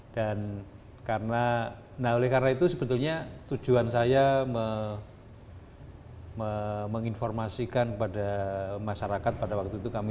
dan karena nah oleh karena itu sebetulnya tujuan saya menginformasikan pada masyarakat pada waktu itu